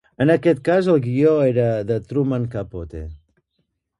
En aquest cas el guió era de Truman Capote.